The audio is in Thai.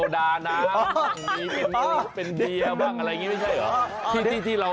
เดี๋ยว